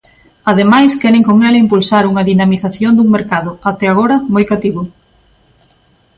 Ademais, queren con ela impulsar unha "dinamización" dun mercado, até agora, moi cativo.